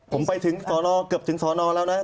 ผมไปถึงสอนอเกือบถึงสอนอแล้วนะ